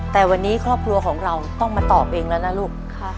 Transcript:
แต่วันนี้ครอบครัวของเราต้องมาตอบเองแล้วนะลูก